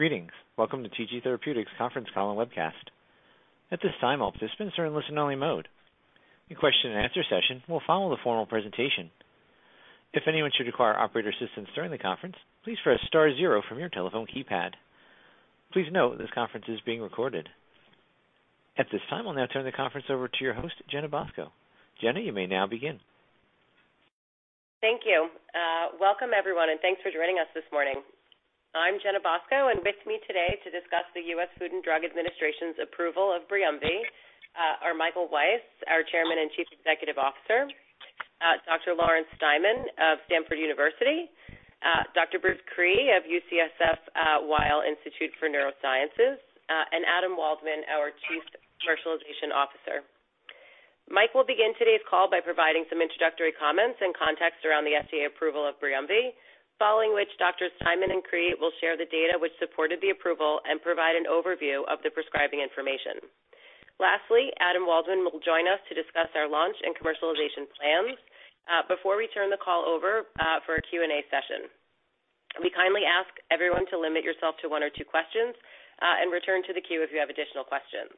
Greetings. Welcome to TG Therapeutics conference call and webcast. At this time, all participants are in listen-only mode. The question and answer session will follow the formal presentation. If anyone should require operator assistance during the conference, please press star 0 from your telephone keypad. Please note this conference is being recorded. At this time, I'll now turn the conference over to your host, Jenna Bosco. Jenna, you may now begin. Thank you. Welcome everyone, and thanks for joining us this morning. I'm Jenna Bosco, and with me today to discuss the U.S. Food and Drug Administration's approval of BRIUMVI are Michael Weiss, our Chairman and Chief Executive Officer, Dr. Lawrence Steinman of Stanford University, Dr. Bruce Cree of UCSF Weill Institute for Neurosciences, and Adam Waldman, our Chief Commercialization Officer. Mike will begin today's call by providing some introductory comments and context around the FDA approval of BRIUMVI, following which Doctors, Steinman and Cree, will share the data which supported the approval and provide an overview of the prescribing information. Lastly, Adam Waldman will join us to discuss our launch and commercialization plans before we turn the call over for a Q&A session. We kindly ask everyone to limit yourself to 1 or 2 questions. Return to the queue if you have additional questions.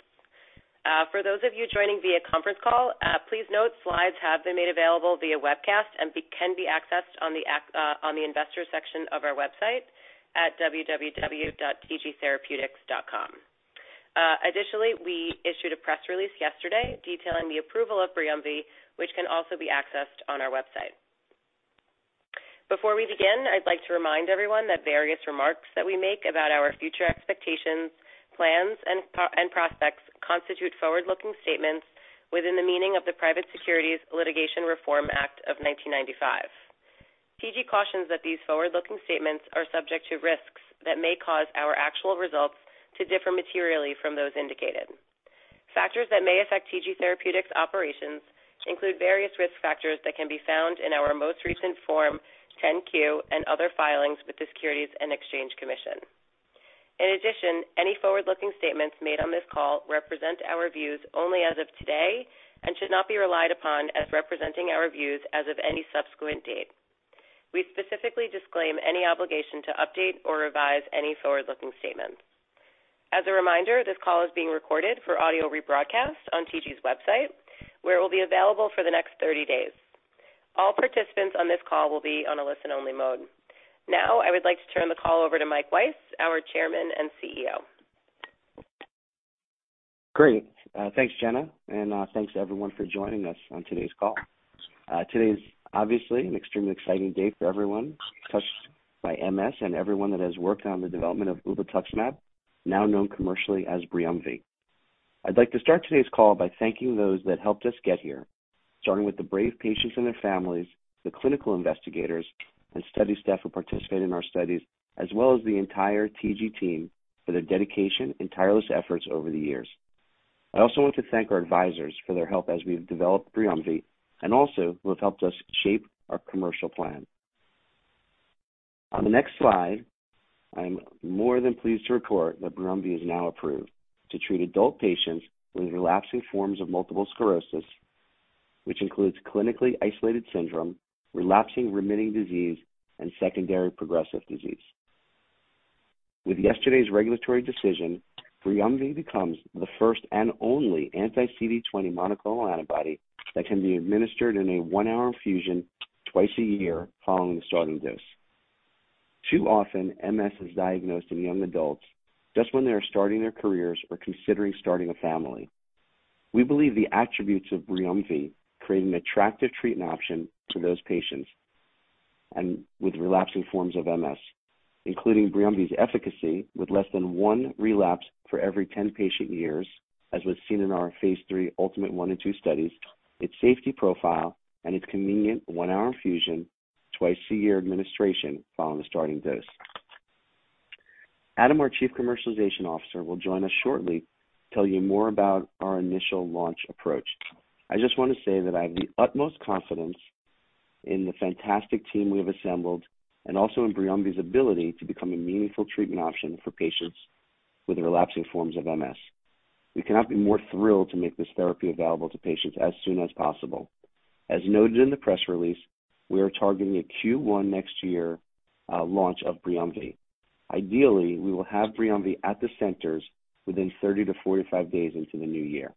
For those of you joining via conference call, please note slides have been made available via webcast and can be accessed on the investor section of our website at www.tgtherapeutics.com. Additionally, we issued a press release yesterday detailing the approval of BRIUMVI, which can also be accessed on our website. Before we begin, I'd like to remind everyone that various remarks that we make about our future expectations, plans, and prospects constitute forward-looking statements within the meaning of the Private Securities Litigation Reform Act of 1995. TG cautions that these forward-looking statements are subject to risks that may cause our actual results to differ materially from those indicated. Factors that may affect TG Therapeutics operations include various risk factors that can be found in our most recent Form 10-Q and other filings with the Securities and Exchange Commission. In addition, any forward-looking statements made on this call represent our views only as of today and should not be relied upon as representing our views as of any subsequent date. We specifically disclaim any obligation to update or revise any forward-looking statements. As a reminder, this call is being recorded for audio rebroadcast on TG's website, where it will be available for the next 30 days. All participants on this call will be on a listen-only mode. Now, I would like to turn the call over to Mike Weiss, our Chairman and CEO. Great. Thanks, Jenna, and thanks to everyone for joining us on today's call. Today is obviously an extremely exciting day for everyone touched by MS and everyone that has worked on the development of ublituximab, now known commercially as BRIUMVI. I'd like to start today's call by thanking those that helped us get here, starting with the brave patients and their families, the clinical investigators and study staff who participated in our studies, as well as the entire TG team for their dedication and tireless efforts over the years. I also want to thank our advisors for their help as we've developed BRIUMVI and also who have helped us shape our commercial plan. On the next slide, I am more than pleased to report that BRIUMVI is now approved to treat adult patients with relapsing forms of multiple sclerosis, which includes clinically isolated syndrome, relapsing-remitting disease, and secondary progressive disease. With yesterday's regulatory decision, BRIUMVI becomes the first and only anti-CD20 monoclonal antibody that can be administered in a 1-hour infusion 2 times a year following the starting dose. Too often, MS is diagnosed in young adults just when they are starting their careers or considering starting a family. We believe the attributes of BRIUMVI create an attractive treatment option to those patients and with relapsing forms of MS, including BRIUMVI's efficacy with less than 1 relapse for every 10 patient years, as was seen in our phase III ULTIMATE I and II studies, its safety profile, and its convenient 1-hour infusion 2 times a year administration following the starting dose. Adam, our Chief Commercialization Officer, will join us shortly to tell you more about our initial launch approach. I just want to say that I have the utmost confidence in the fantastic team we have assembled and also in BRIUMVI's ability to become a meaningful treatment option for patients with the relapsing forms of MS. We cannot be more thrilled to make this therapy available to patients as soon as possible. As noted in the press release, we are targeting a Q1 next year launch of BRIUMVI. Ideally, we will have BRIUMVI at the centers within 30-45 days into the new year.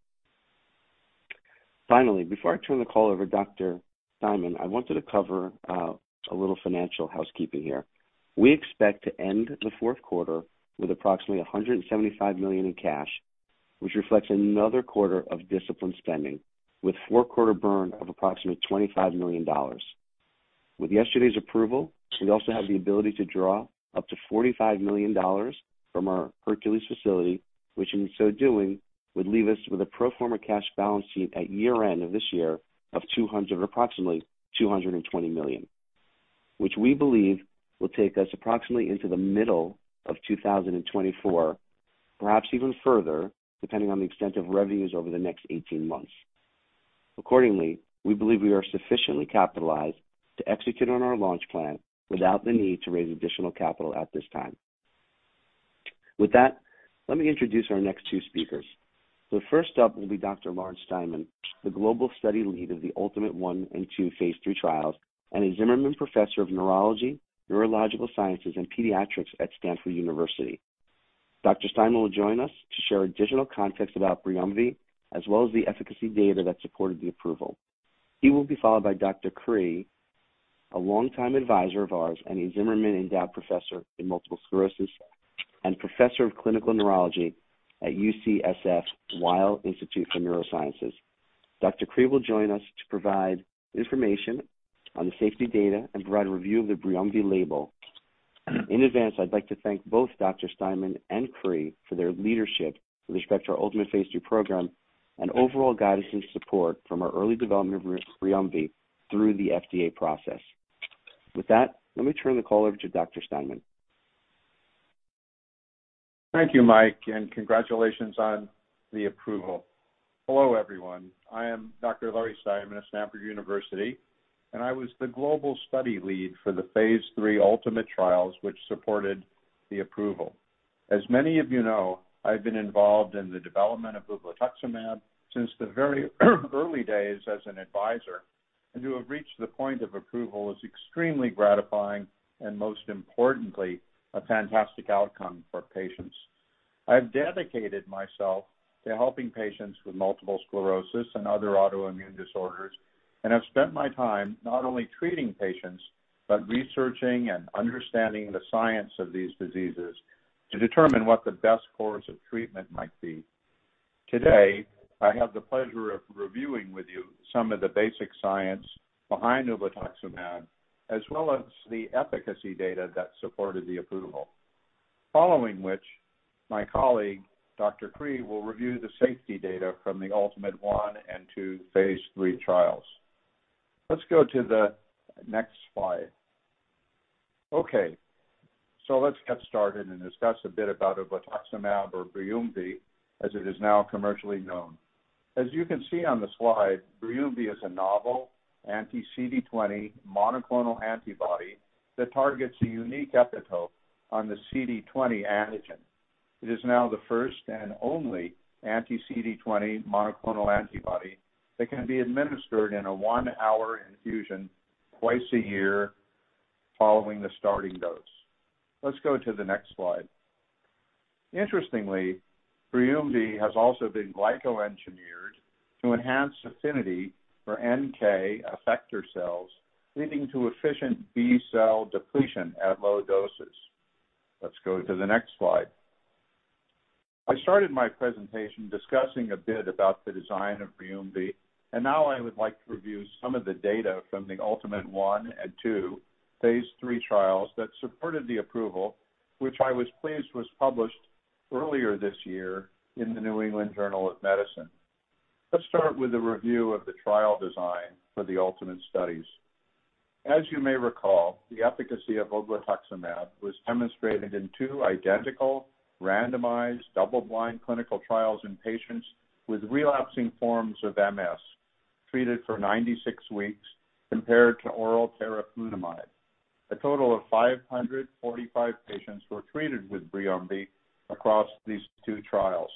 Finally, before I turn the call over Dr. Steinman, I wanted to cover a little financial housekeeping here. We expect to end the fourth quarter with approximately $175 million in cash, which reflects another quarter of disciplined spending with four quarter burn of approximately $25 million. With yesterday's approval, we also have the ability to draw up to $45 million from our Hercules facility, which in so doing, would leave us with a pro forma cash balance sheet at year-end of this year of approximately $220 million, which we believe will take us approximately into the middle of 2024, perhaps even further, depending on the extent of revenues over the next 18 months. Accordingly, we believe we are sufficiently capitalized to execute on our launch plan without the need to raise additional capital at this time. With that, let me introduce our next two speakers. First up will be Dr. Lawrence Steinman, the global study lead of the ULTIMATE I and II phase III trials and a Zimmermann Professor of Neurology, Neurological Sciences, and Pediatrics at Stanford University. Dr. Steinman will join us to share additional context about BRIUMVI, as well as the efficacy data that supported the approval. He will be followed by Dr. Cree, a longtime advisor of ours and a Zimmermann Endowed Professor in Multiple Sclerosis and Professor of Clinical Neurology at UCSF Weill Institute for Neurosciences. Dr. Cree will join us to provide information on the safety data and provide a review of the BRIUMVI label. In advance, I'd like to thank both Dr. Steinman and Cree for their leadership with respect to our ULTIMATE phase II program and overall guidance and support from our early development of BRIUMVI through the FDA process. With that, let me turn the call over to Dr. Steinman. Thank you, Mike, and congratulations on the approval. Hello, everyone. I am Dr. Larry Steinman of Stanford University, and I was the global study lead for the phase III ULTIMATE trials which supported the approval. As many of you know, I've been involved in the development of ublituximab since the very early days as an advisor, and to have reached the point of approval is extremely gratifying and most importantly, a fantastic outcome for patients. I've dedicated myself to helping patients with multiple sclerosis and other autoimmune disorders, and I've spent my time not only treating patients, but researching and understanding the science of these diseases to determine what the best course of treatment might be. Today, I have the pleasure of reviewing with you some of the basic science behind ublituximab, as well as the efficacy data that supported the approval. Following which my colleague, Dr. Cree, will review the safety data from the ULTIMATE I and II phase III trials. Let's go to the next slide. Okay, let's get started and discuss a bit about ublituximab or BRIUMVI, as it is now commercially known. As you can see on the slide, BRIUMVI is a novel anti-CD20 monoclonal antibody that targets a unique epitope on the CD20 antigen. It is now the first and only anti-CD20 monoclonal antibody that can be administered in a 1-hour infusion twice a year following the starting dose. Let's go to the next slide. Interestingly, BRIUMVI has also been glycoengineered to enhance affinity for NK effector cells, leading to efficient B-cell depletion at low doses. Let's go to the next slide. I started my presentation discussing a bit about the design of BRIUMVI, and now I would like to review some of the data from the ULTIMATE I and II phase III trials that supported the approval, which I was pleased was published earlier this year in The New England Journal of Medicine. Let's start with a review of the trial design for the ULTIMATE studies. As you may recall, the efficacy of ublituximab was demonstrated in two identical randomized double-blind clinical trials in patients with relapsing forms of MS, treated for 96 weeks compared to oral teriflunomide. A total of 545 patients were treated with BRIUMVI across these two trials.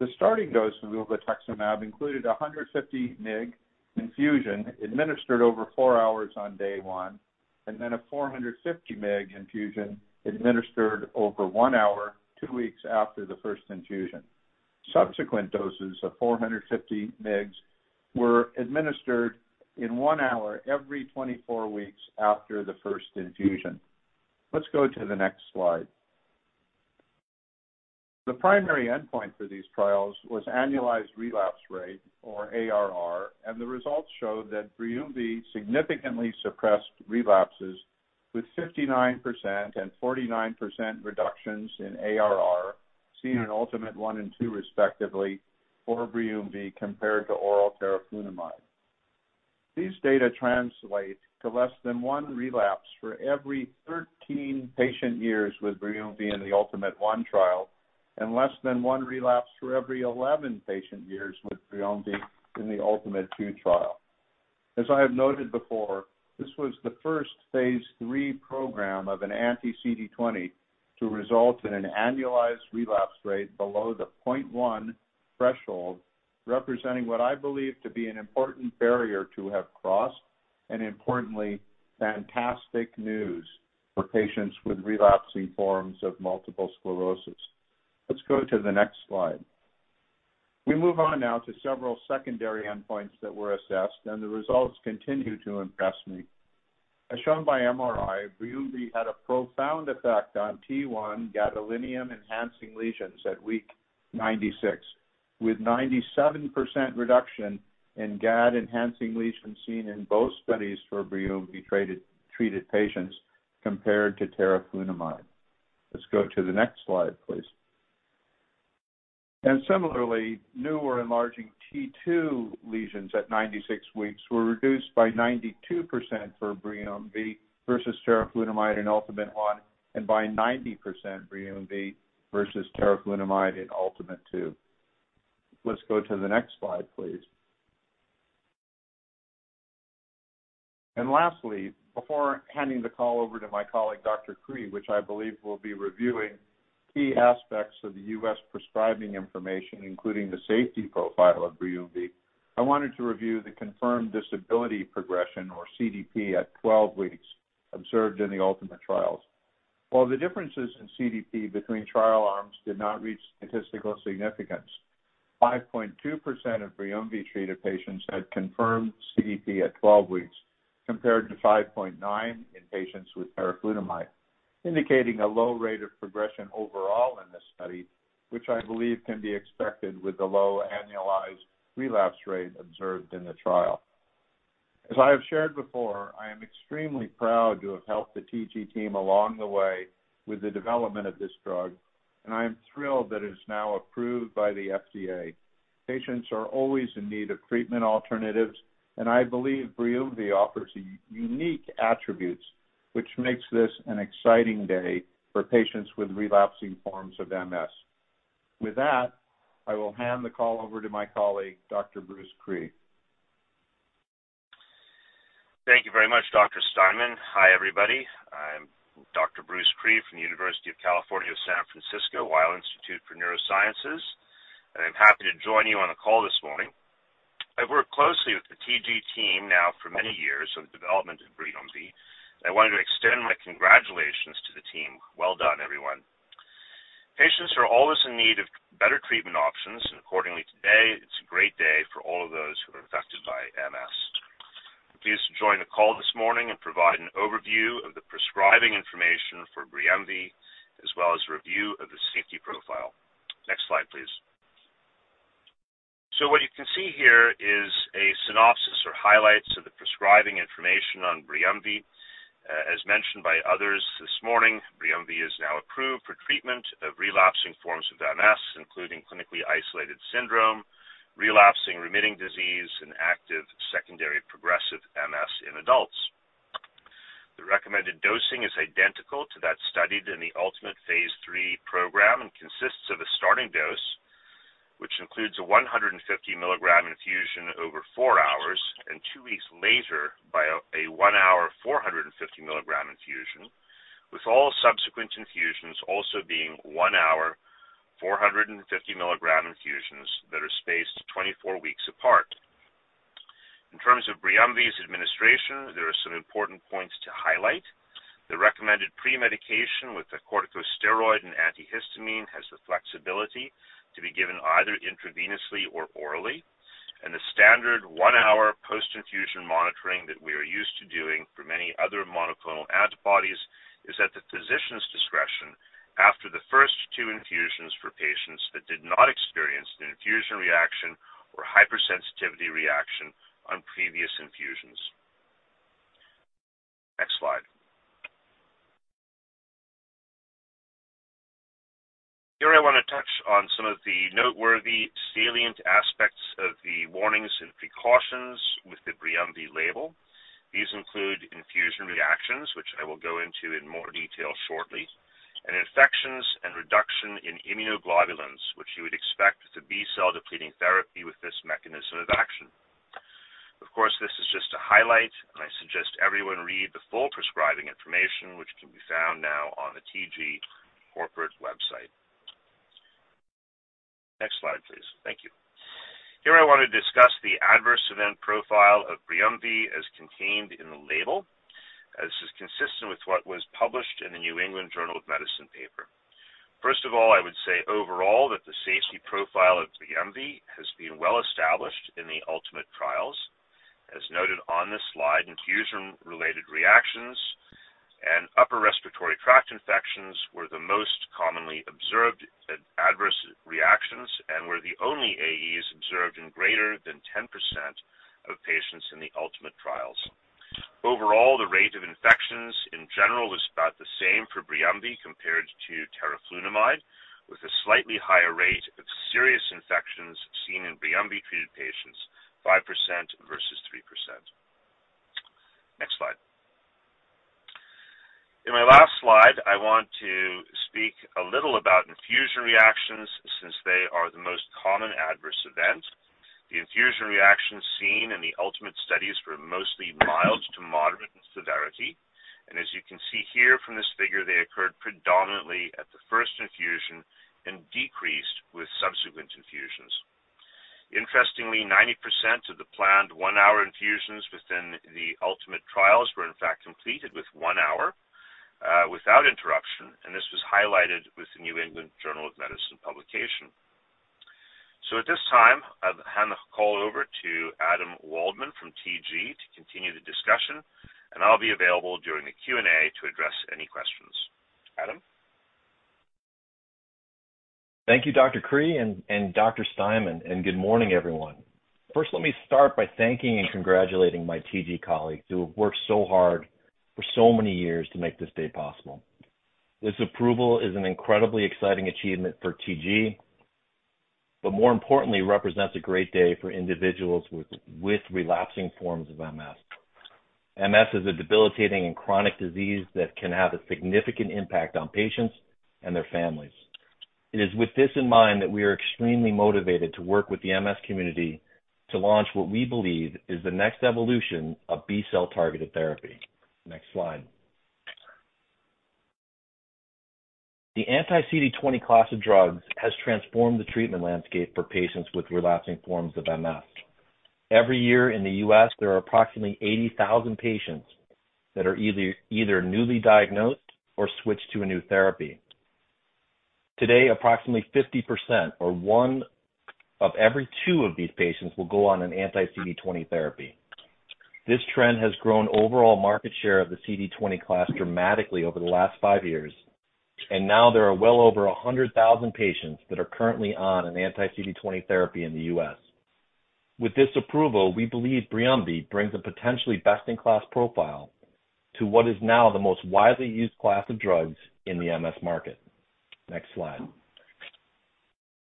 The starting dose of ublituximab included a 150 mg infusion administered over 4 hours on day one, and then a 450 mg infusion administered over 1 hour, two weeks after the first infusion. Subsequent doses of 450 mgs were administered in 1 hour every 24 weeks after the first infusion. Let's go to the next slide. The primary endpoint for these trials was annualized relapse rate or ARR, and the results showed that BRIUMVI significantly suppressed relapses with 59% and 49% reductions in ARR seen in ULTIMATE I and II respectively for BRIUMVI compared to oral teriflunomide. These data translate to less than one relapse for every 13 patient years with BRIUMVI in the ULTIMATE I trial, and less than one relapse for every 11 patient years with BRIUMVI in the ULTIMATE II trial. As I have noted before, this was the first phase III program of an anti-CD20 to result in an annualized relapse rate below the 0.1 threshold, representing what I believe to be an important barrier to have crossed, and importantly, fantastic news for patients with relapsing forms of multiple sclerosis. Let's go to the next slide. We move on now to several secondary endpoints that were assessed, and the results continue to impress me. As shown by MRI, BRIUMVI had a profound effect on T1 gadolinium-enhancing lesions at week 96, with 97% reduction in gadolinium-enhancing lesions seen in both studies for BRIUMVI treated patients compared to teriflunomide. Let's go to the next slide, please. Similarly, new or enlarging T2 lesions at 96 weeks were reduced by 92% for BRIUMVI versus teriflunomide in ULTIMATE I, and by 90% BRIUMVI versus teriflunomide in ULTIMATE II. Let's go to the next slide, please. Lastly, before handing the call over to my colleague Dr. Cree, which I believe will be reviewing key aspects of the U.S. prescribing information, including the safety profile of BRIUMVI, I wanted to review the confirmed disability progression or CDP at 12 weeks observed in the ULTIMATE trials. While the differences in CDP between trial arms did not reach statistical significance, 5.2% of BRIUMVI treated patients had confirmed CDP at 12 weeks, compared to 5.9% in patients with teriflunomide, indicating a low rate of progression overall in this study, which I believe can be expected with the low annualized relapse rate observed in the trial. As I have shared before, I am extremely proud to have helped the TG team along the way with the development of this drug, and I am thrilled that it is now approved by the FDA. Patients are always in need of treatment alternatives, and I believe BRIUMVI offers unique attributes, which makes this an exciting day for patients with relapsing forms of MS. With that, I will hand the call over to my colleague, Dr. Bruce Cree. Thank you very much, Dr. Steinman. Hi, everybody. I'm Dr. Bruce Cree from the University of California, San Francisco, Weill Institute for Neurosciences, and I'm happy to join you on the call this morning. I've worked closely with the TG team now for many years on the development of BRIUMVI. I wanted to extend my congratulations to the team. Well done, everyone. Patients are always in need of better treatment options. Accordingly, today it's a great day for all of those who are affected by MS. I'm pleased to join the call this morning and provide an overview of the prescribing information for BRIUMVI as well as review of the safety profile. Next slide, please. What you can see here is a synopsis or highlights of the prescribing information on BRIUMVI. As mentioned by others this morning, BRIUMVI is now approved for treatment of relapsing forms of MS, including clinically isolated syndrome, relapsing-remitting disease, and active secondary progressive MS in adults. The recommended dosing is identical to that studied in the ultimate phase III program and consists of a starting dose which includes a 150 milligram infusion over 4 hours and 2 weeks later by a 1-hour 450 milligram infusion, with all subsequent infusions also being 1-hour 450 milligram infusions that are spaced 24 weeks apart. In terms of BRIUMVI's administration, there are some important points to highlight. The recommended pre-medication with the corticosteroid and antihistamine has the flexibility to be given either intravenously or orally. The standard 1-hour post-infusion monitoring that we are used to doing for many other monoclonal antibodies is at the physician's discretion after the first 2 infusions for patients that did not experience an infusion reaction or hypersensitivity reaction on previous infusions. Next slide. Here I want to touch on some of the noteworthy salient aspects of the warnings and precautions with the BRIUMVI label. These include infusion reactions, which I will go into in more detail shortly. Infections and reduction in immunoglobulins, which you would expect with the B-cell depleting therapy with this mechanism of action. Of course, this is just a highlight. I suggest everyone read the full prescribing information which can be found now on the TG corporate website. Next slide, please. Thank you. Here I want to discuss the adverse event profile of BRIUMVI as contained in the label, as is consistent with what was published in The New England Journal of Medicine paper. First of all, I would say overall that the safety profile of BRIUMVI has been well established in the ULTIMATE trials. As noted on this slide, infusion-related reactions and upper respiratory tract infections were the most commonly observed adverse reactions and were the only AEs observed in greater than 10% of patients in the ULTIMATE trials. Overall, the rate of infections in general was about the same for BRIUMVI compared to teriflunomide, with a slightly higher rate of serious infections seen in BRIUMVI-treated patients, 5% versus 3%. Next slide. In my last slide, I want to speak a little about infusion reactions since they are the most common adverse event. The infusion reactions seen in the ULTIMATE studies were mostly mild to moderate in severity. As you can see here from this figure, they occurred predominantly at the first infusion and decreased with subsequent infusions. Interestingly, 90% of the planned 1-hour infusions within the ULTIMATE trials were in fact completed with 1 hour, without interruption. This was highlighted with The New England Journal of Medicine publication. At this time, I'll hand the call over to Adam Waldman from TG to continue the discussion, and I'll be available during the Q&A to address any questions. Adam? Thank you, Dr. Cree and Dr. Steinman, good morning, everyone. First, let me start by thanking and congratulating my TG colleagues who have worked so hard for so many years to make this day possible. This approval is an incredibly exciting achievement for TG, more importantly, represents a great day for individuals with relapsing forms of MS. MS is a debilitating and chronic disease that can have a significant impact on patients and their families. It is with this in mind that we are extremely motivated to work with the MS community to launch what we believe is the next evolution of B-cell targeted therapy. Next slide. The anti-CD20 class of drugs has transformed the treatment landscape for patients with relapsing forms of MS. Every year in the U.S., there are approximately 80,000 patients that are either newly diagnosed or switched to a new therapy. Today, approximately 50% or one of every two of these patients will go on an anti-CD20 therapy. This trend has grown overall market share of the CD20 class dramatically over the last five years, and now there are well over 100,000 patients that are currently on an anti-CD20 therapy in the U.S. With this approval, we believe BRIUMVI brings a potentially best-in-class profile to what is now the most widely used class of drugs in the MS market. Next slide.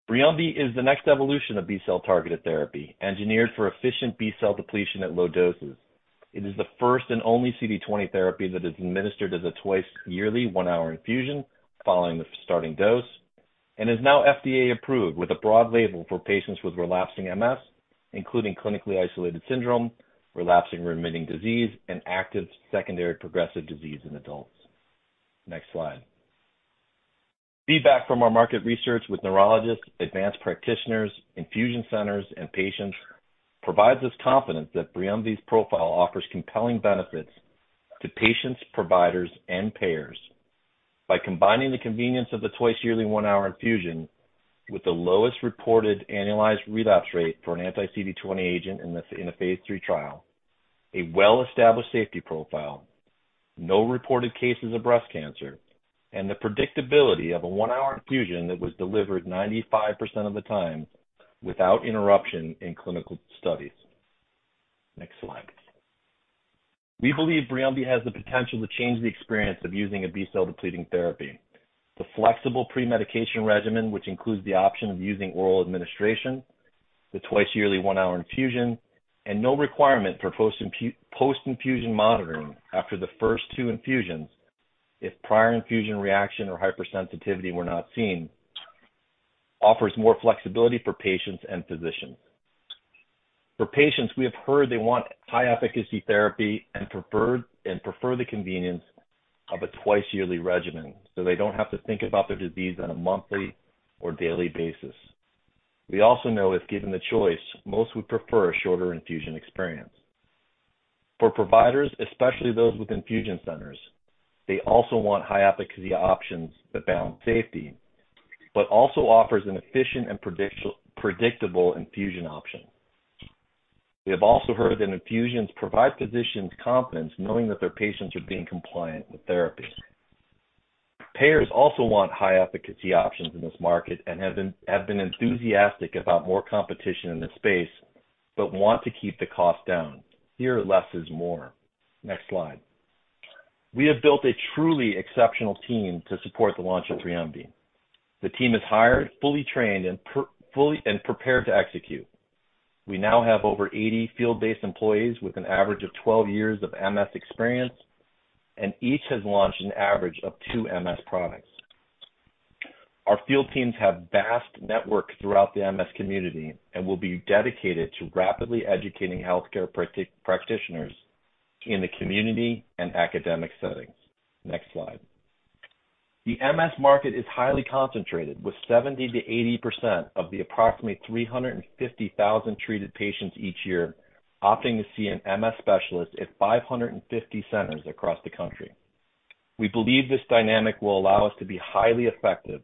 BRIUMVI is the next evolution of B-cell targeted therapy, engineered for efficient B-cell depletion at low doses. It is the first and only CD20 therapy that is administered as a twice yearly one-hour infusion following the starting dose, and is now FDA approved with a broad label for patients with relapsing MS, including clinically isolated syndrome, relapsing-remitting disease, and active secondary progressive disease in adults. Next slide. Feedback from our market research with neurologists, advanced practitioners, infusion centers, and patients provides us confidence that BRIUMVI's profile offers compelling benefits to patients, providers, and payers by combining the convenience of the twice-yearly one-hour infusion with the lowest reported annualized relapse rate for an anti-CD20 agent in a phase III trial, a well-established safety profile, no reported cases of breast cancer, and the predictability of a one-hour infusion that was delivered 95% of the time without interruption in clinical studies. Next slide. We believe BRIUMVI has the potential to change the experience of using a B-cell depleting therapy. The flexible pre-medication regimen, which includes the option of using oral administration, the twice-yearly one-hour infusion, and no requirement for post-infusion monitoring after the first 2 infusions if prior infusion reaction or hypersensitivity were not seen, offers more flexibility for patients and physicians. For patients, we have heard they want high efficacy therapy and prefer the convenience of a twice yearly regimen, so they don't have to think about their disease on a monthly or daily basis. If given the choice, most would prefer a shorter infusion experience. For providers, especially those with infusion centers, they also want high efficacy options that balance safety, but also offers an efficient and predictable infusion option. Heard that infusions provide physicians confidence knowing that their patients are being compliant with therapy. Payers want high efficacy options in this market and have been enthusiastic about more competition in this space, but want to keep the cost down. Here, less is more. Next slide. We have built a truly exceptional team to support the launch of BRIUMVI. The team is hired, fully trained, and prepared to execute. We now have over 80 field-based employees with an average of 12 years of MS experience, and each has launched an average of 2 MS products. Our field teams have vast networks throughout the MS community and will be dedicated to rapidly educating healthcare practitioners in the community and academic settings. Next slide. The MS market is highly concentrated, with 70%-80% of the approximately 350,000 treated patients each year opting to see an MS specialist at 550 centers across the country. We believe this dynamic will allow us to be highly effective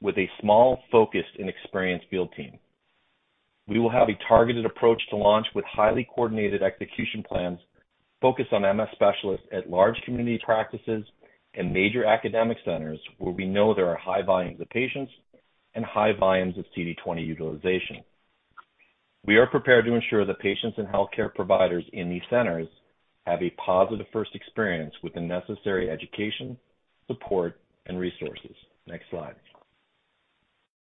with a small, focused, and experienced field team. We will have a targeted approach to launch with highly coordinated execution plans focused on MS specialists at large community practices and major academic centers where we know there are high volumes of patients and high volumes of CD20 utilization. We are prepared to ensure that patients and healthcare providers in these centers have a positive first experience with the necessary education, support, and resources. Next slide.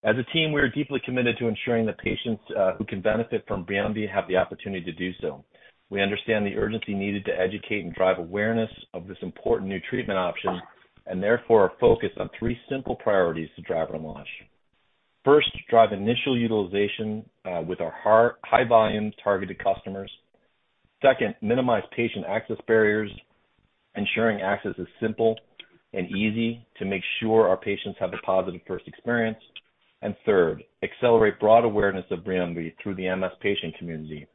As a team, we are deeply committed to ensuring that patients who can benefit from BRIUMVI have the opportunity to do so. We understand the urgency needed to educate and drive awareness of this important new treatment option, therefore are focused on 3 simple priorities to drive on launch. First, drive initial utilization with our high volume targeted customers. Second, minimize patient access barriers, ensuring access is simple and easy to make sure our patients have a positive first experience. Third, accelerate broad awareness of BRIUMVI through the MS patient community,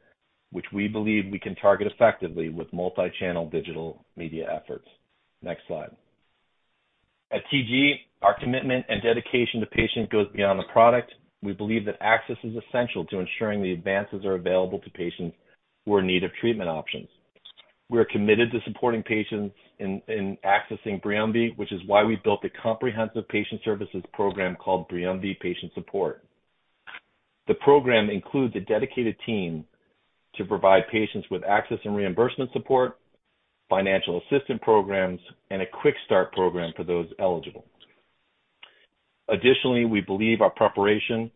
which we believe we can target effectively with multi-channel digital media efforts. Next slide. At TG, our commitment and dedication to patients goes beyond the product. We believe that access is essential to ensuring the advances are available to patients who are in need of treatment options. We are committed to supporting patients in accessing BRIUMVI, which is why we built a comprehensive patient services program called BRIUMVI Patient Support. The program includes a dedicated team to provide patients with access and reimbursement support, financial assistance programs, and a quick start program for those eligible. Additionally, we believe our preparation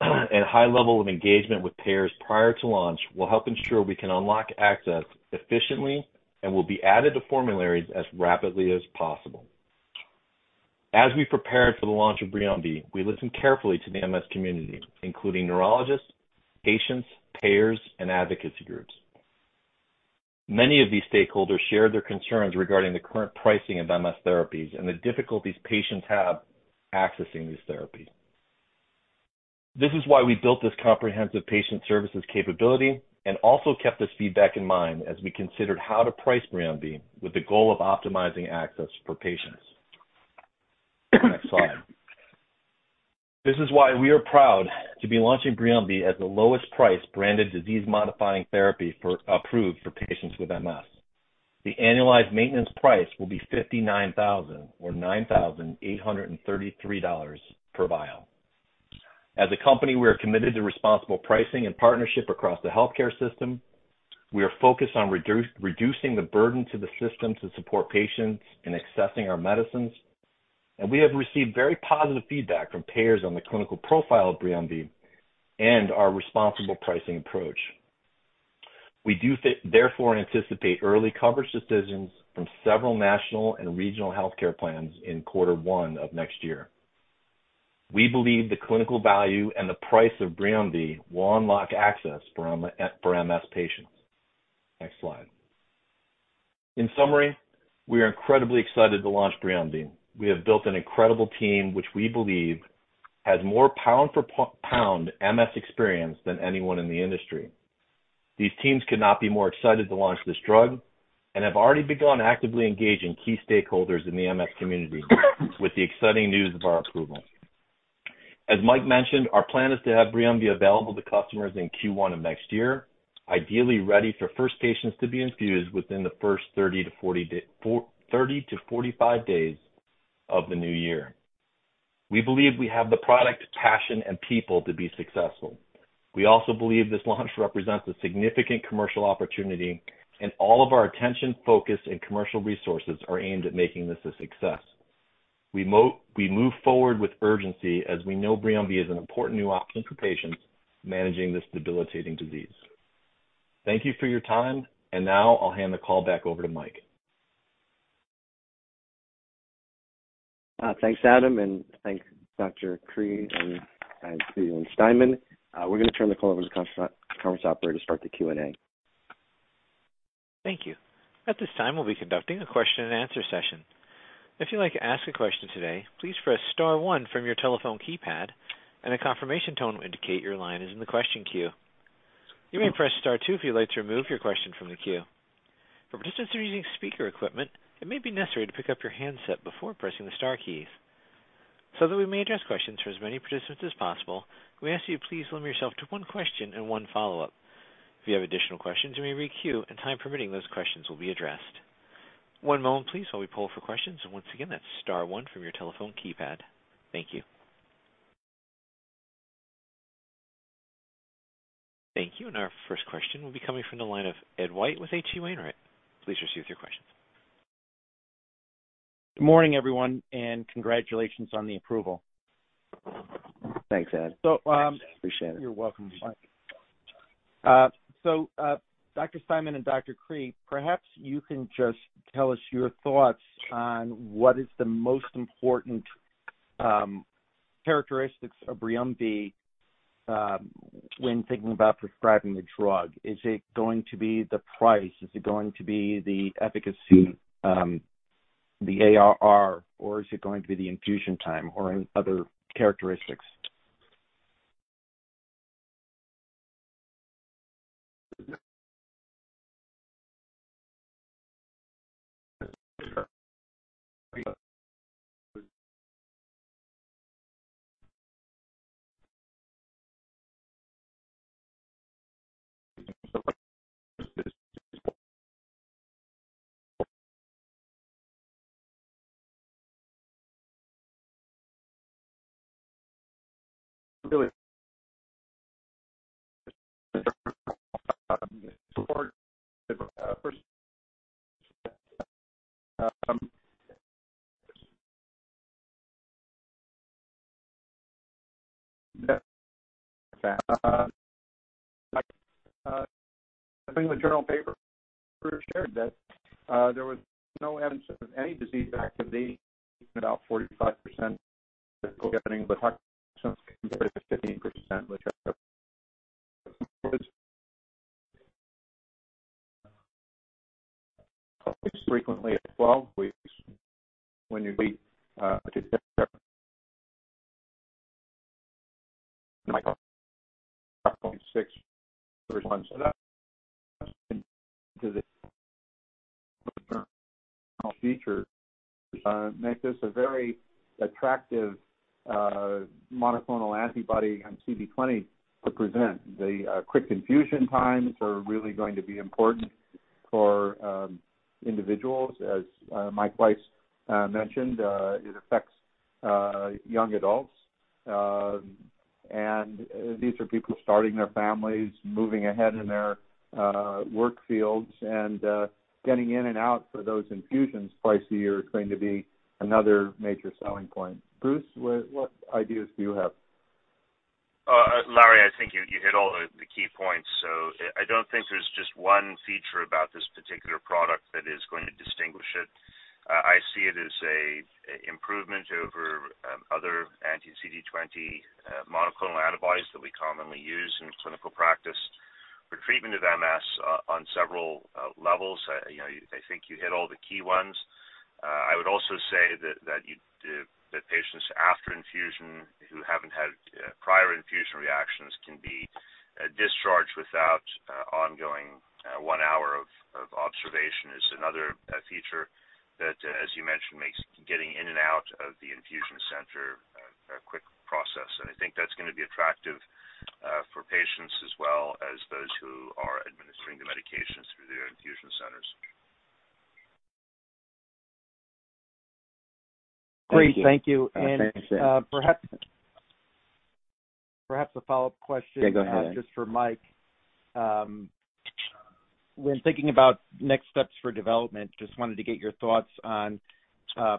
and high level of engagement with payers prior to launch will help ensure we can unlock access efficiently and will be added to formularies as rapidly as possible. As we prepared for the launch of BRIUMVI, we listened carefully to the MS community, including neurologists, patients, payers, and advocacy groups. Many of these stakeholders shared their concerns regarding the current pricing of MS therapies and the difficulties patients have accessing these therapies. This is why we built this comprehensive patient services capability and also kept this feedback in mind as we considered how to price BRIUMVI with the goal of optimizing access for patients. Next slide. This is why we are proud to be launching BRIUMVI at the lowest price branded disease-modifying therapy approved for patients with MS. The annualized maintenance price will be $59,000 or $9,833 per vial. As a company, we are committed to responsible pricing and partnership across the healthcare system. We are focused on reducing the burden to the system to support patients in accessing our medicines. We have received very positive feedback from payers on the clinical profile of BRIUMVI and our responsible pricing approach. We do therefore anticipate early coverage decisions from several national and regional health care plans in quarter one of next year. We believe the clinical value and the price of BRIUMVI will unlock access for MS patients. Next slide. In summary, we are incredibly excited to launch BRIUMVI. We have built an incredible team, which we believe has more pound for pound MS experience than anyone in the industry. These teams could not be more excited to launch this drug and have already begun actively engaging key stakeholders in the MS community with the exciting news of our approval. As Mike mentioned, our plan is to have BRIUMVI available to customers in Q1 of next year, ideally ready for first patients to be infused within the first 30 to 45 days of the new year. We believe we have the product, passion, and people to be successful. We also believe this launch represents a significant commercial opportunity, and all of our attention, focus, and commercial resources are aimed at making this a success. We move forward with urgency as we know BRIUMVI is an important new option for patients managing this debilitating disease. Thank you for your time. Now I'll hand the call back over to Mike. Thanks, Adam, and thank Dr. Cree and Lawrence Steinman. We're going to turn the call over to conference operator to start the Q&A. Thank you. At this time, we'll be conducting a question-and-answer session. If you'd like to ask a question today, please press star one from your telephone keypad, and a confirmation tone will indicate your line is in the question queue. You may press star two if you'd like to remove your question from the queue. For participants who are using speaker equipment, it may be necessary to pick up your handset before pressing the star keys. So that we may address questions for as many participants as possible, we ask that you please limit yourself to one question and one follow-up. If you have additional questions, you may re-queue, and time permitting, those questions will be addressed. One moment please while we poll for questions. Once again, that's star one from your telephone keypad. Thank you. Thank you. Our first question will be coming from the line of Ed White with H.C. Wainwright. Please receive your questions. Good morning, everyone, congratulations on the approval. Thanks, Ed. So, um- Appreciate it. You're welcome, Mike. Dr. Steinman and Dr. Cree, perhaps you can just tell us your thoughts on what is the most important characteristics of BRIUMVI when thinking about prescribing the drug. Is it going to be the price? Is it going to be the efficacy, the ARR? Or is it going to be the infusion time or any other characteristics? New England Journal paper shared that there was no evidence of any disease activity in about 45% compared to 15%. Frequently at 12 weeks when you make this a very attractive monoclonal antibody on CD20 to present. The quick infusion times are really going to be important for individuals. As Mike Weiss mentioned, it affects young adults. These are people starting their families, moving ahead in their work fields and getting in and out for those infusions twice a year is going to be another major selling point. Bruce, what ideas do you have? Larry, I think you hit all the key points. I don't think there's just one feature about this particular product that is going to distinguish it. I see it as an improvement over other anti-CD20 monoclonal antibodies that we commonly use in clinical practice for treatment of MS on several levels. you know, I think you hit all the key ones. I would also say that patients after infusion who haven't had prior infusion reactions can be discharged without ongoing 1 hour of observation is another feature that, as you mentioned, makes getting in and out of the infusion center a quick process. I think that's gonna be attractive for patients as well as those who are administering the medications through their infusion centers. Great. Thank you. Thanks, Ed. Perhaps a follow-up question. Yeah, go ahead. Just for Mike. When thinking about next steps for development, just wanted to get your thoughts on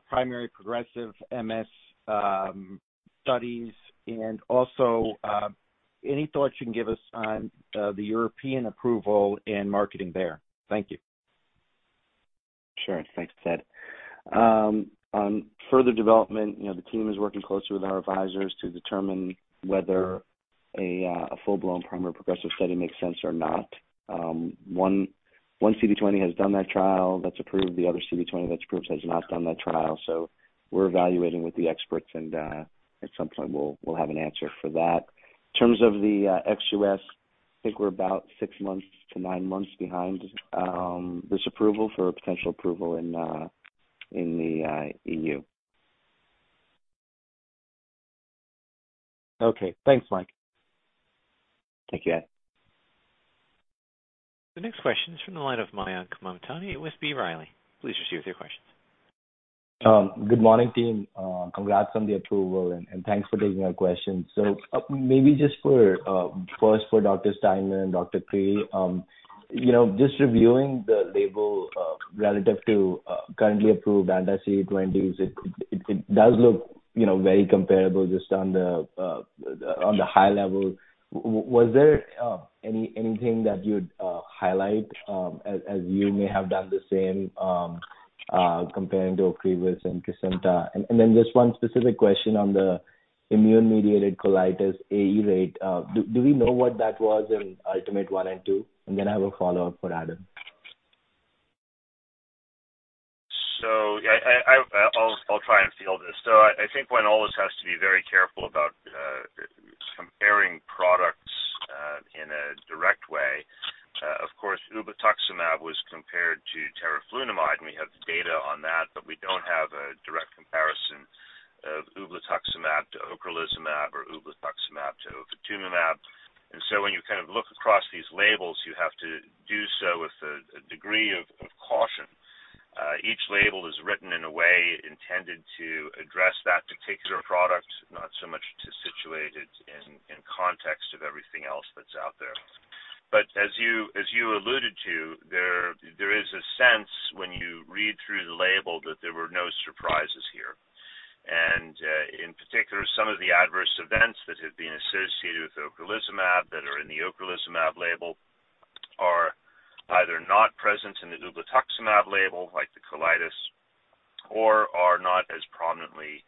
primary progressive MS studies, and also any thoughts you can give us on the European approval and marketing there? Thank you. Sure. Thanks, Ed. On further development, you know, the team is working closely with our advisors to determine whether a full-blown primary progressive study makes sense or not. One CD20 has done that trial that's approved. The other CD20 that's approved has not done that trial. We're evaluating with the experts and at some point we'll have an answer for that. In terms of the ex-US, I think we're about six months to nine months behind this approval for a potential approval in the EU. Okay. Thanks, Mike. Thank you, Ed. The next question is from the line of Mayank Mamtani, B. Riley Securities. Please proceed with your questions. Good morning, team. Congrats on the approval, and thanks for taking our questions. Maybe just for first for Dr. Steinman and Dr. Cree. You know, just reviewing the label, relative to currently approved anti-CD20s, it does look, you know, very comparable just on the high level. Was there anything that you'd highlight as you may have done the same comparing to Ocrevus and Kesimpta? Then just one specific question on the immune-mediated colitis AE rate. Do we know what that was in ULTIMATE one and two? Then I have a follow-up for Adam. Yeah, I'll try and field this. I think one always has to be very careful about comparing products in a direct way. Of course, ublituximab was compared to teriflunomide, and we have the data on that, but we don't have a direct comparison of ublituximab to ocrelizumab or ublituximab to ofatumumab. When you kind of look across these labels, you have to do so with a degree of caution. Each label is written in a way intended to address that particular product, not so much to situate it in context of everything else that's out there. As you alluded to, there is a sense when you read through the label that there were no surprises here. In particular, some of the adverse events that have been associated with ocrelizumab that are in the ocrelizumab label are either not present in the ublituximab label, like the colitis, or are not as prominently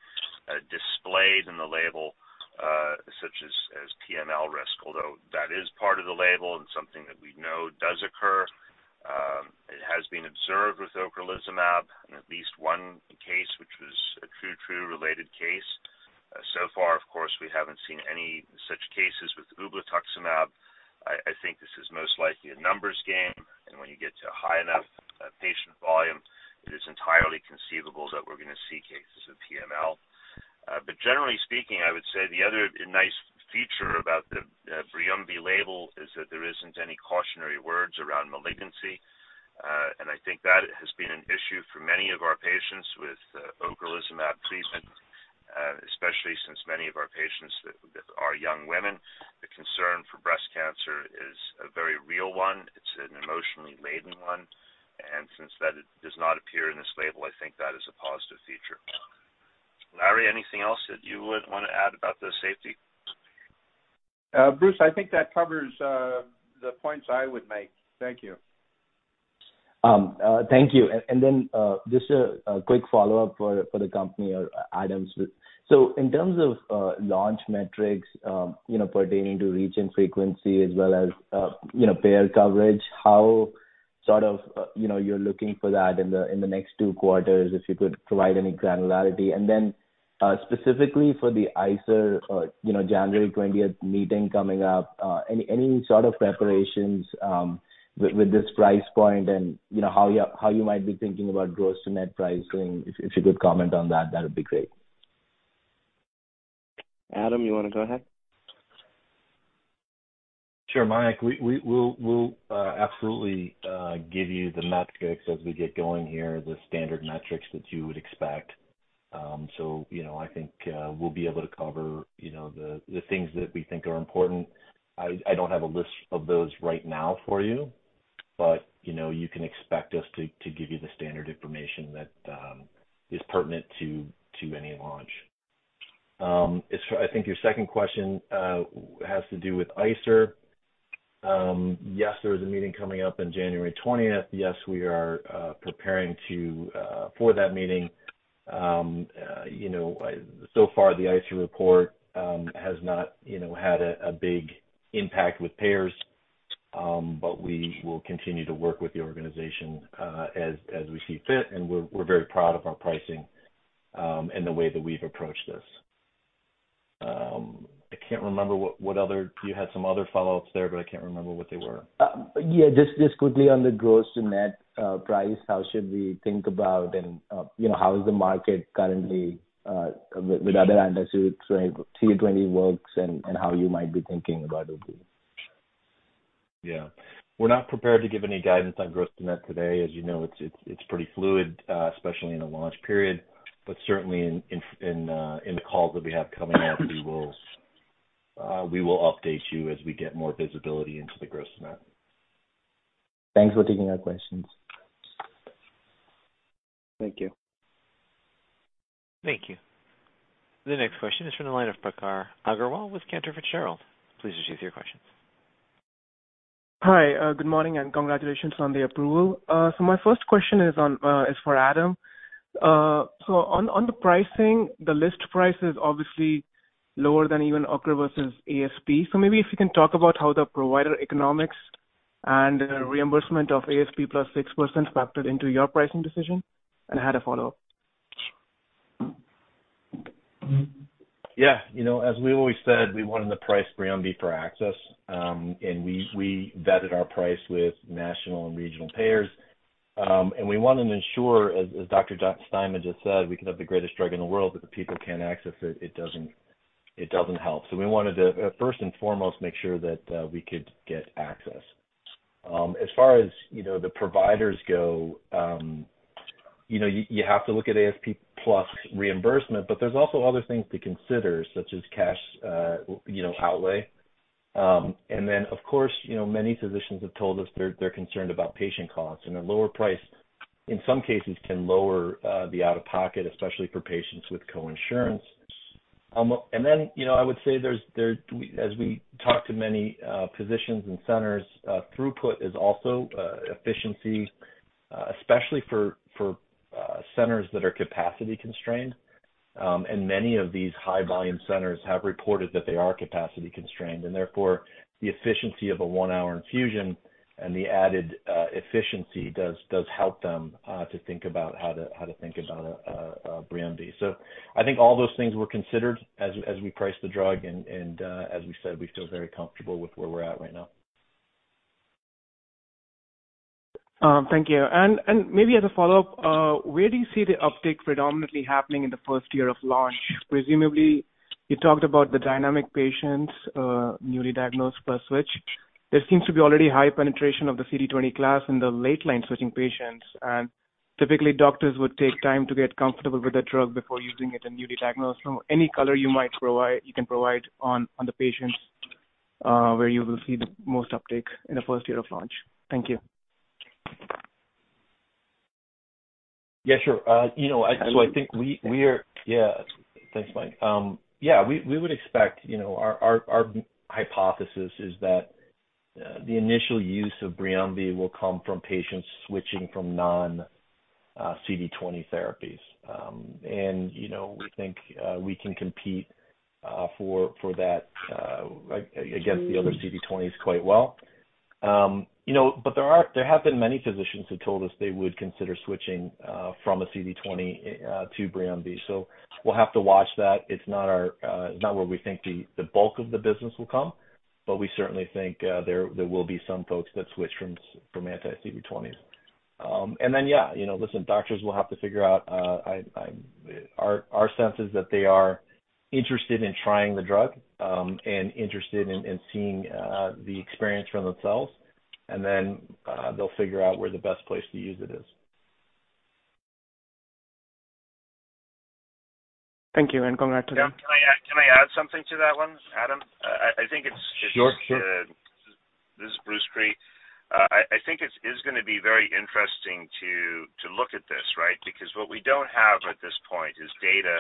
displayed in the label, such as PML risk. Although that is part of the label and something that we know does occur. It has been observed with ocrelizumab in at least one case, which was a true related case. So far, of course, we haven't seen any such cases with ublituximab. I think this is most likely a numbers game, and when you get to a high enough patient volume, it is entirely conceivable that we're gonna see cases of PML. Generally speaking, I would say the other nice feature about the BRIUMVI label is that there isn't any cautionary words around malignancy. I think that has been an issue for many of our patients with ocrelizumab treatment, especially since many of our patients that are young women. The concern for breast cancer is a very real one. It's an emotionally laden one. Since that does not appear in this label, I think that is a positive feature. Larry, anything else that you would wanna add about the safety? Bruce, I think that covers the points I would make. Thank you. Thank you. Then, just a quick follow-up for the company or Adam. In terms of launch metrics, you know, pertaining to reach and frequency as well as, you know, payer coverage, how sort of, you know, you're looking for that in the next two quarters, if you could provide any granularity. Then, specifically for the ICER, you know, January 20th meeting coming up, any sort of preparations with this price point and, you know, how you might be thinking about gross-to-net pricing. If you could comment on that'd be great. Adam, you wanna go ahead? Sure. Mayank, we'll absolutely give you the metrics as we get going here, the standard metrics that you would expect. You know, I think we'll be able to cover, you know, the things that we think are important. I don't have a list of those right now for you. You know, you can expect us to give you the standard information that is pertinent to any launch. As for I think your second question has to do with ICER. Yes, there is a meeting coming up in January 20th. Yes, we are preparing to for that meeting. You know, so far the ICER report has not, you know, had a big impact with payers. We will continue to work with the organization as we see fit, and we're very proud of our pricing and the way that we've approached this. I can't remember what other. You had some other follow-ups there, but I can't remember what they were. Yeah, just quickly on the gross-to-net price. How should we think about and, you know, how is the market currently with other antis too, so CD20 works and how you might be thinking about it? Yeah. We're not prepared to give any guidance on gross to net today. As you know, it's pretty fluid, especially in a launch period. Certainly in the calls that we have coming up, we will update you as we get more visibility into the gross amount. Thanks for taking our questions. Thank you. Thank you. The next question is from the line of Prakhar Agrawal with Cantor Fitzgerald. Please proceed with your questions. Hi. Good morning and congratulations on the approval. My first question is on, is for Adam. On the pricing, the list price is obviously lower than even Ocrevus' ASP. Maybe if you can talk about how the provider economics and reimbursement of ASP plus 6% factored into your pricing decision. I had a follow-up. Yeah. You know, as we always said, we wanted to price BRIUMVI for access. We vetted our price with national and regional payers. We want to ensure, as Dr. Steinman just said, we could have the greatest drug in the world, but if people can't access it doesn't help. We wanted to first and foremost make sure that we could get access. As far as, you know, the providers go, you know, you have to look at ASP plus reimbursement, but there's also other things to consider, such as cash, you know, outlay. Of course, you know, many physicians have told us they're concerned about patient costs, and a lower price in some cases can lower the out-of-pocket, especially for patients with co-insurance. You know, I would say there's, as we talk to many physicians and centers, throughput is also efficiency, especially for centers that are capacity constrained. Many of these high volume centers have reported that they are capacity constrained, and therefore the efficiency of a one-hour infusion and the added efficiency does help them to think about how to think about BRIUMVI. I think all those things were considered as we priced the drug and as we said, we feel very comfortable with where we're at right now. Thank you. Maybe as a follow-up, where do you see the uptake predominantly happening in the first year of launch? Presumably, you talked about the dynamic patients, newly diagnosed plus switch. There seems to be already high penetration of the CD20 class in the late line switching patients, and typically doctors would take time to get comfortable with the drug before using it in newly diagnosed. Any color you might provide, you can provide on the patients, where you will see the most uptake in the first year of launch. Thank you. Yeah, sure. you know, I think we. Hello? Yeah. Thanks, Mike. Yeah, we would expect, you know, our, our hypothesis is that the initial use of BRIUMVI will come from patients switching from non CD20 therapies. You know, we think we can compete for that against the other CD20s quite well. You know, there have been many physicians who told us they would consider switching from a CD20 to BRIUMVI. We'll have to watch that. It's not our not where we think the bulk of the business will come, but we certainly think there will be some folks that switch from anti-CD20s. Then, yeah, you know, listen, doctors will have to figure out. Our sense is that they are interested in trying the drug, and interested in seeing the experience for themselves, and then they'll figure out where the best place to use it is. Thank you, and congrats again. Can I add something to that one, Adam? I think it's... Sure, sure. This is Bruce Cree. I think it is gonna be very interesting to look at this, right? Because what we don't have at this point is data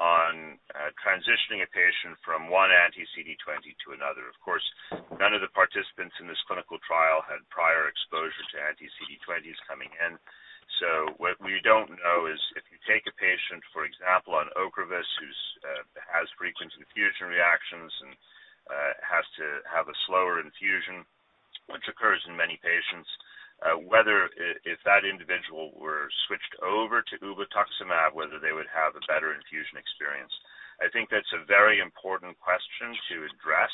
on transitioning a patient from one anti-CD20 to another. Of course, none of the participants in this clinical trial had prior exposure to anti-CD20s coming in. What we don't know is if you take a patient, for example, on Ocrevus, who's has frequent infusion reactions and has to have a slower infusion, which occurs in many patients, whether that individual were switched over to ublituximab, whether they would have a better infusion experience. I think that's a very important question to address.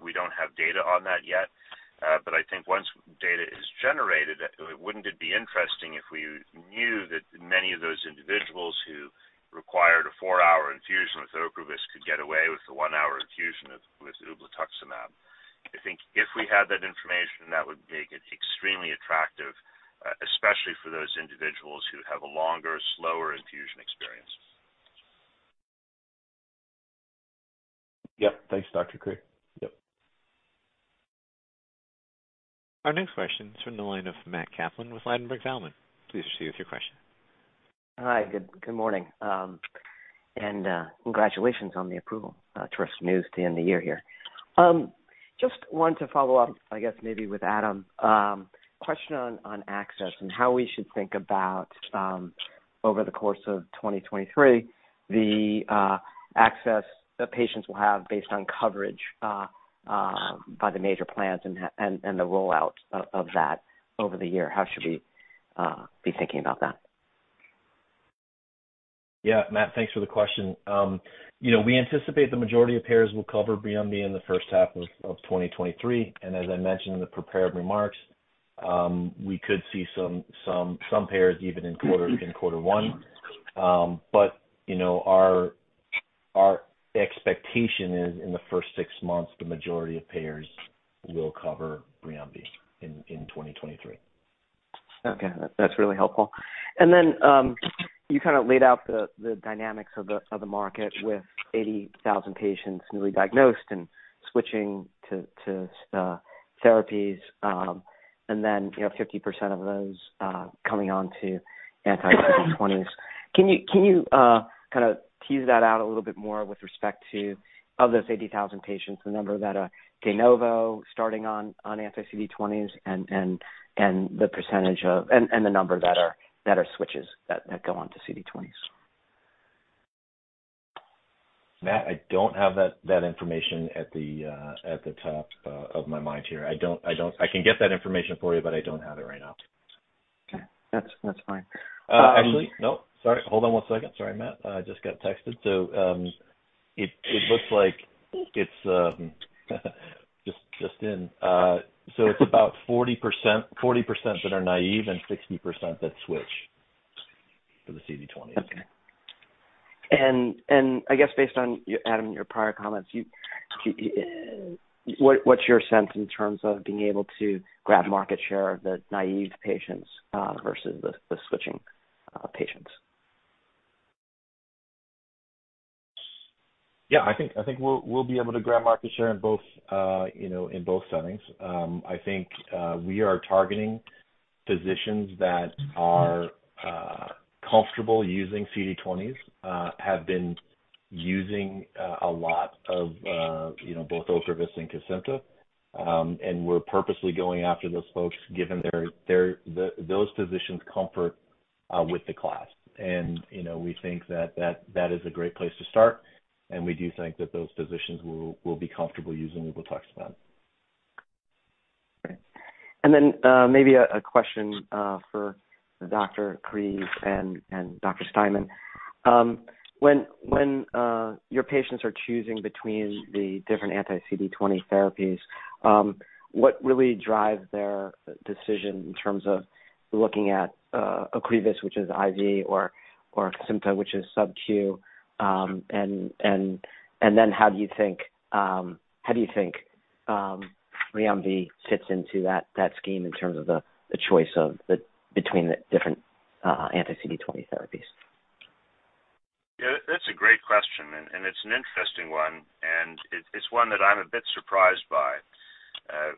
We don't have data on that yet. I think once data is generated, wouldn't it be interesting if we knew that many of those individuals who required a 4-hour infusion with Ocrevus could get away with the 1-hour infusion with ublituximab? I think if we had that information, that would make it extremely attractive, especially for those individuals who have a longer, slower infusion experience. Yep. Thanks, Dr. Cree. Yep. Our next question is from the line of Matthew Kaplan with Ladenburg Thalmann. Please proceed with your question. Hi. Good morning. Congratulations on the approval. Terrific news to end the year here. Just want to follow up, I guess maybe with Adam, question on access and how we should think about over the course of 2023, the access that patients will have based on coverage by the major plans and the rollout of that over the year. How should we be thinking about that? Yeah. Matt, thanks for the question. you know, we anticipate the majority of payers will cover BRIUMVI in the first half of 2023. As I mentioned in the prepared remarks, we could see some payers even in quarter one. you know, our expectation is in the first six months, the majority of payers will cover BRIUMVI in 2023. Okay. That's really helpful. Then, you kind of laid out the dynamics of the market with 80,000 patients newly diagnosed and switching to therapies. Then, you know, 50% of those coming onto anti-CD20s. Can you kind of tease that out a little bit more with respect to, of those 80,000 patients, the number that are de novo starting on anti-CD20s and the percentage of and the number that are switches that go on to CD20s? Matt, I don't have that information at the, at the top, of my mind here. I don't. I can get that information for you, but I don't have it right now. Okay. That's fine. actually, no. Sorry. Hold on one second. Sorry, Matt. I just got texted. It looks like it's just in. It's about 40% that are naive and 60% that switch for the CD20. I guess based on Adam, your prior comments, what's your sense in terms of being able to grab market share of the naive patients, versus the switching patients? Yeah. I think we'll be able to grab market share in both, you know, in both settings. I think we are targeting physicians that are comfortable using CD20s, have been using a lot of, you know, both Ocrevus and Kesimpta. We're purposely going after those folks given those physicians comfort with the class. You know, we think that is a great place to start, and we do think that those physicians will be comfortable using ublituximab. Great. Then maybe a question for Dr. Cree and Dr. Steinman. When your patients are choosing between the different anti-CD20 therapies, what really drives their decision in terms of looking at Ocrevus, which is IV or Kesimpta which is SubQ? How do you think BRIUMVI fits into that scheme in terms of the choice of between the different anti-CD20 therapies? Yeah, that's a great question, and it's an interesting one, and it's one that I'm a bit surprised by.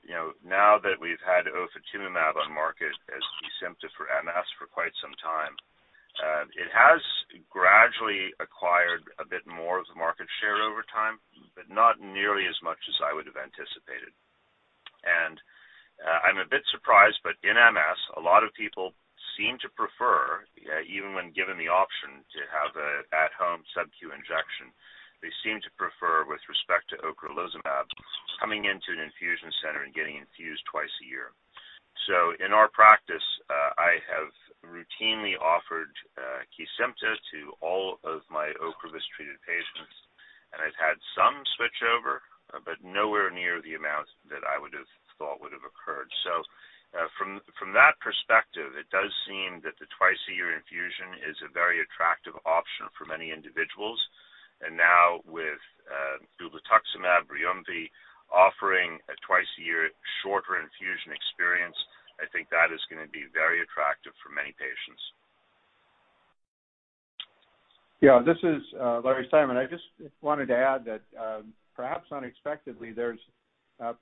you know, now that we've had ofatumumab on market as Kesimpta for MS for quite some time, it has gradually acquired a bit more of the market share over time, but not nearly as much as I would have anticipated. I'm a bit surprised, but in MS, a lot of people seem to prefer, even when given the option to have a at home SubQ injection, they seem to prefer with respect to ocrelizumab, coming into an infusion center and getting infused twice a year. In our practice, I have routinely offered, Kesimpta to all of my Ocrevus treated patients, and I've had some switch over, but nowhere near the amount that I would have thought would have occurred. From that perspective, it does seem that the twice a year infusion is a very attractive option for many individuals. Now with ublituximab, BRIUMVI offering a twice a year shorter infusion experience, I think that is gonna be very attractive for many patients. This is Larry Steinman. I just wanted to add that, perhaps unexpectedly, there's a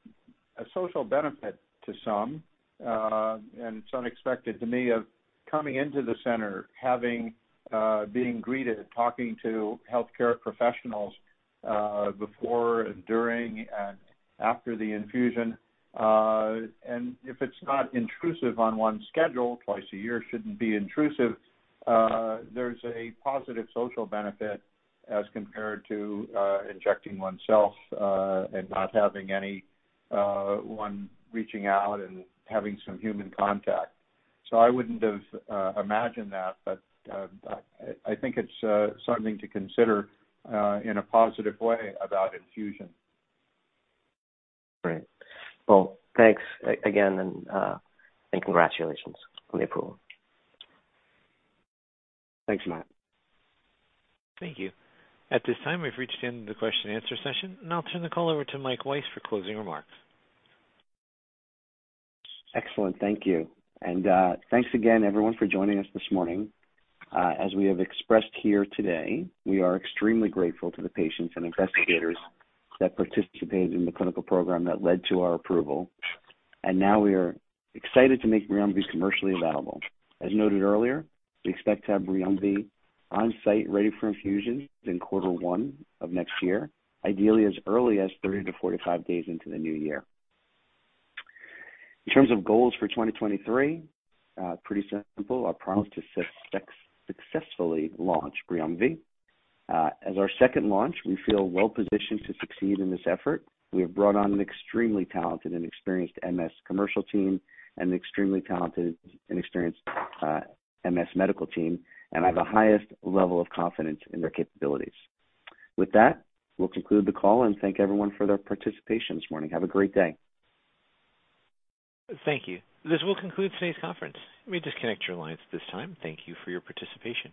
social benefit to some, and it's unexpected to me, of coming into the center, having, being greeted, talking to healthcare professionals, before, during, and after the infusion. If it's not intrusive on one's schedule, twice a year shouldn't be intrusive, there's a positive social benefit as compared to injecting oneself, and not having anyone reaching out and having some human contact. I wouldn't have imagined that, but I think it's something to consider in a positive way about infusion. Great. Well, thanks again, and congratulations on the approval. Thanks, Matt. Thank you. At this time, we've reached the end of the question and answer session. I'll turn the call over to Mike Weiss for closing remarks. Excellent. Thank you. Thanks again everyone for joining us this morning. As we have expressed here today, we are extremely grateful to the patients and investigators that participated in the clinical program that led to our approval. Now we are excited to make BRIUMVI commercially available. As noted earlier, we expect to have BRIUMVI on-site ready for infusion in quarter one of next year, ideally as early as 30-45 days into the new year. In terms of goals for 2023, pretty simple. Our plan is to successfully launch BRIUMVI. As our second launch, we feel well positioned to succeed in this effort. We have brought on an extremely talented and experienced MS commercial team and an extremely talented and experienced MS medical team, and I have the highest level of confidence in their capabilities. With that, we'll conclude the call and thank everyone for their participation this morning. Have a great day. Thank you. This will conclude today's conference. You may disconnect your lines at this time. Thank you for your participation.